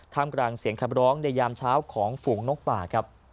มกลางเสียงขับร้องในยามเช้าของฝูงนกป่าครับ